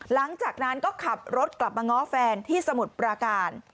หลังจากนั้นก็ขับรถกลับมาง้อแฟนที่สมุทรปราการ